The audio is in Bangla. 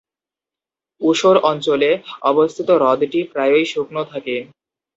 ঊষর অঞ্চলে অবস্থিত হ্রদটি প্রায়ই শুকনো থাকে।